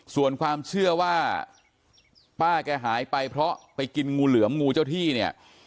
ส่วนความเชื่อว่าป้าแกหายไปเพราะไปกินงูเหลือมงูเจ้าที่เนี่ย